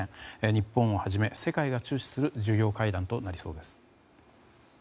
日本をはじめ、世界が注視する重要会談となりそうです。